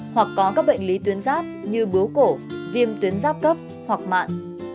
hoặc có các bệnh lý tuyến giáp như bướu cổ viêm tuyến giáp cấp hoặc mạn